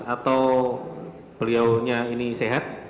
atau beliau ini sehat